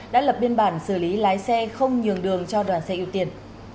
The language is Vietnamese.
đã lập biên bản xử lý lái xe không nhường đường cho đoàn xe ưu tiên